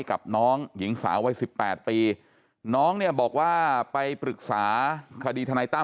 กับน้องหญิงสาววัยสิบแปดปีน้องเนี่ยบอกว่าไปปรึกษาคดีทนายตั้